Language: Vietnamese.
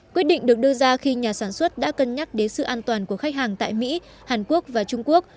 quyết định được đưa ra khi nhà sản xuất đã cân nhắc đến sự an toàn của khách hàng tại mỹ hàn quốc và trung quốc